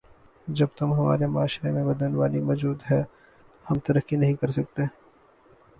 جب تم ہمارے معاشرے میں بدعنوانی موجود ہے ہم ترقی نہیں کرسکتے